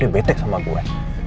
dia betek sama gue